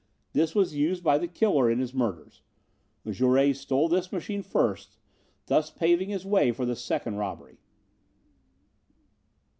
This was used by the killer in his murders. Jouret stole this machine first, thus paving his way for the second robbery.